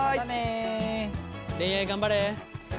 恋愛頑張れ。